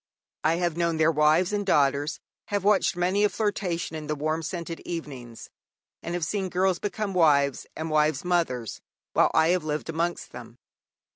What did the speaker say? I have known their wives and daughters; have watched many a flirtation in the warm scented evenings; and have seen girls become wives and wives mothers while I have lived amongst them.